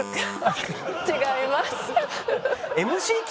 違います。